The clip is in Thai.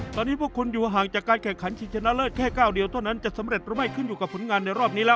ตอนนี้พวกคุณอยู่ห่างจากการแข่งขันชิงชนะเลิศแค่ก้าวเดียวเท่านั้นจะสำเร็จหรือไม่ขึ้นอยู่กับผลงานในรอบนี้แล้ว